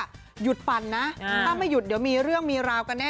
หล่าก็หยุดปั่นนะถ้าไม่หยุดจะมีเรื่องมีราวกันแน่